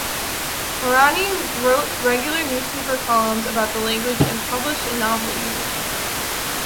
Marani wrote regular newspaper columns about the language and published a novel using it.